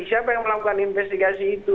siapa yang melakukan investigasi itu